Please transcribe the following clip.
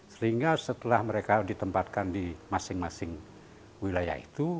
sehingga setelah mereka ditempatkan di masing masing wilayah itu